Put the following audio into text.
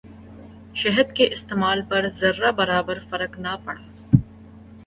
شہد کے استعمال پر ذرہ برابر فرق نہ پڑا۔